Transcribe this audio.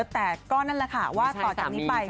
แต่ก็นั่นแหละค่ะว่าต่อจากนี้ไป